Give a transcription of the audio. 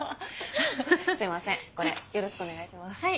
これよろしくお願いします。